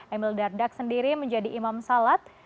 emil dardak sendiri menjadi imam salat